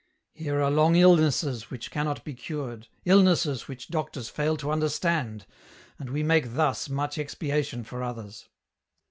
Here are long illnesses which cannot be cured, illnesses which doctors fail to understand, and we make thus much expiation for others.